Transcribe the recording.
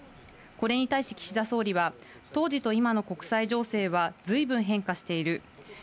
これに対し、岸田総理は、当時と今の国際情勢はずいぶん変化している。